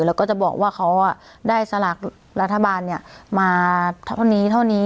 แล้วก็จะบอกว่าเขาได้สลากรัฐบาลมาเท่านี้เท่านี้